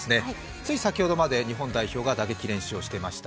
つい先ほどまで日本代表が打撃練習をしていました。